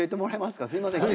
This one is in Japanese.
すいません